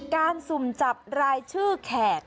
สุ่มจับรายชื่อแขก